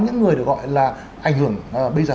những người được gọi là ảnh hưởng bây giờ